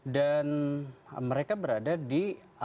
dan mereka berada di